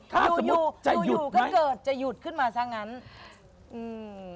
คาสมุทรจะหยุดไหม